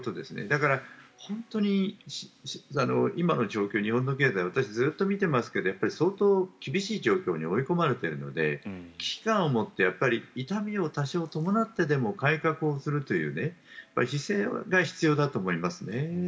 だから、本当に今の状況、日本の経済を私、ずっと見てますけど相当厳しい状況に追い込まれてますので危機感を持って痛みを多少、伴ってでも改革するという姿勢が必要だと思いますね。